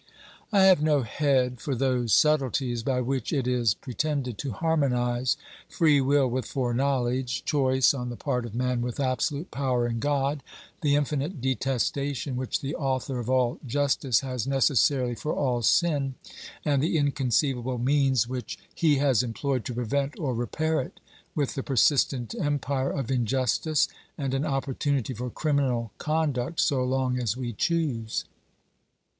I have no head for those subtleties by which it is pre tended to harmonise free will with foreknowledge, choice OBERMANN 345 on the part of man with absolute power in God, the infinite detestation which the Author of all justice has necessarily for all sin, and the inconceivable means which He has employed to prevent or repair it, with the persistent empire of injustice and an opportunity for criminal con duct so long as we choose.